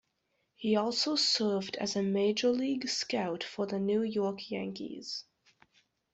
He also served as a Major League scout for the New York Yankees.